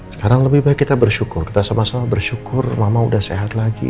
sekarang lebih baik kita bersyukur kita sama sama bersyukur mama udah sehat lagi